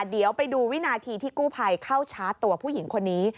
เดี๋ยวไปดูวินาทีที่กู้ภัยเข้าชาร์จตัวผู้หญิงคนนี้